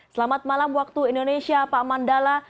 selamat malam waktu indonesia pak mandala